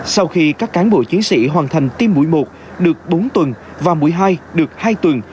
sau khi các cán bộ chiến sĩ hoàn thành tiêm mũi một được bốn tuần và mũi hai được hai tuần